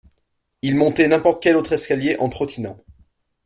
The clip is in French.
Il montait n’importe quel autre escalier en trottinant